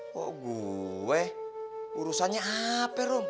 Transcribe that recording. kok gue urusannya apa rom